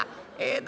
ええ？